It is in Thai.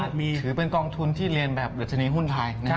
ถือเป็นกองทุนที่เรียนแบบดัชนีหุ้นไทย